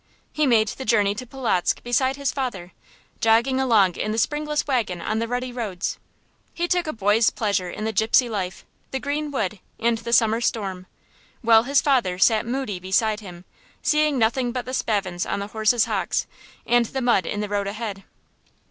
He made the journey to Polotzk beside his father, jogging along in the springless wagon on the rutty roads. He took a boy's pleasure in the gypsy life, the green wood, and the summer storm; while his father sat moody beside him, seeing nothing but the spavins on the horse's hocks, and the mud in the road ahead.